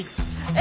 え！